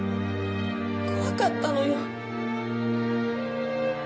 怖かったのよ。